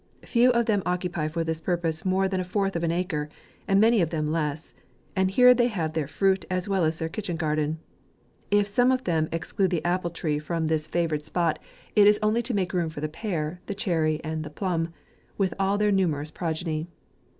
Few of them occupy for this purpose more than a fourth of an acre, and many of them less ; and here they have their fruit, as well as kitcheti ^arden. If some of them exclude the apple tree from this favoured 12 JANUARY. spot, it is only to make room for the pear, the cherry, and the plumb, with all their nu merous progeny.